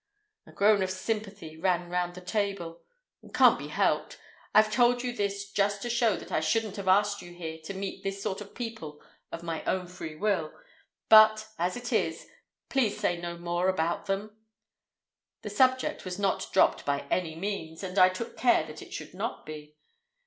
A groan of sympathy ran round the table. "It can't be helped. I've told you this just to show that I shouldn't have asked you here to meet this sort of people of my own free will; but, as it is, please say no more about them." The subject was not dropped by any means, and I took care that it should not be.